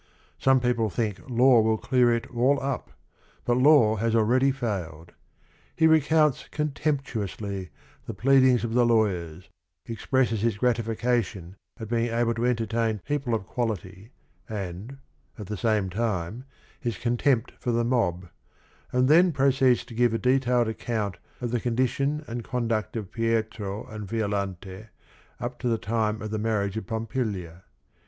Some people think law will clear it all up, but law has already failed. He recounts contemptuously the plead ings of the lawyers, expresses his gratification at being able to entertain people of quality, and, at the same time, his contempt for the mob, and then proceeds to give a detailed account of the condition and conduct of Pietro and Violante up to the time of the marriage of Pompilia.